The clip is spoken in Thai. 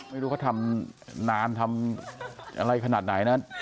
ไม่รู้เขาทำนานทำอะไรขนาดไหนนะ